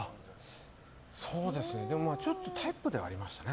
でも、タイプではありましたね。